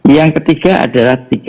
yang ketiga adalah